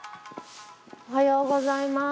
おはようございます。